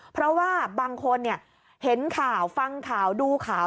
เพราะว่าบางคนเห็นข่าวฟังข่าวดูข่าว